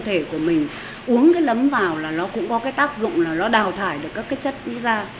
cơ thể của mình uống cái nấm vào là nó cũng có cái tác dụng là nó đào thải được các cái chất như da